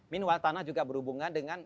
minua tanah juga berhubungan dengan